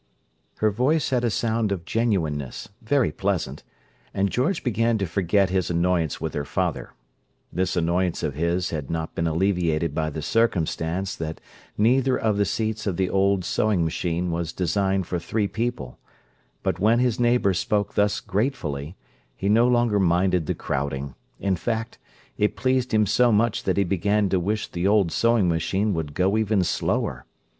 Her voice had a sound of genuineness, very pleasant; and George began to forget his annoyance with her father. This annoyance of his had not been alleviated by the circumstance that neither of the seats of the old sewing machine was designed for three people, but when his neighbour spoke thus gratefully, he no longer minded the crowding—in fact, it pleased him so much that he began to wish the old sewing machine would go even slower.